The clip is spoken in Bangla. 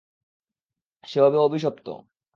সে হবে অভিশপ্ত।